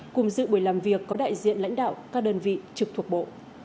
cùng dự buổi làm việc có đại diện lãnh đạo các đơn vị trực thuộc bộ